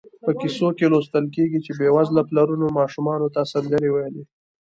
په کیسو کې لوستل کېږي چې بېوزله پلرونو ماشومانو ته سندرې ویلې.